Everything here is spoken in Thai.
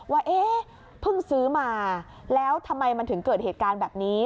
ว่าเอ๊ะเพิ่งซื้อมาแล้วทำไมมันถึงเกิดเหตุการณ์แบบนี้